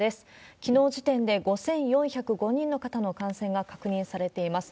きのう時点で５４０５人の感染が確認されています。